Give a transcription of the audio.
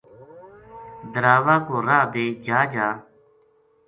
دراوا کو راہ بے جا جا